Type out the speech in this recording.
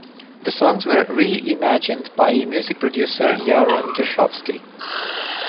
The songs were reimagined by music producer Yaron Gershovsky.